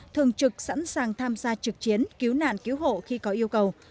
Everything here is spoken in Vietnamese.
thường trực sẵn sàng tham gia trực chiến cứu nạn cứu hộ khi có yêu cầu